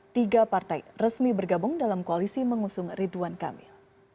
tiga partai resmi bergabung dalam koalisi mengusung ridwan kamil